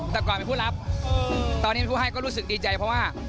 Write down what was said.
แต่ก่อนเป็นผู้รับตอนนี้เป็นผู้ให้ก็รู้สึกดีใจเพราะว่า